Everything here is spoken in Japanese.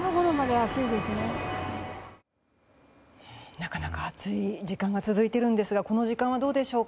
なかなか暑い時間が続いていますがこの時間はどうでしょうか。